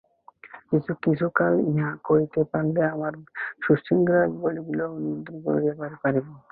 কিছুকাল ইহা করিতে পারিলেই আমরা সূক্ষ্মতর গতিগুলিও নিয়ন্ত্রিত করিতে পারিব।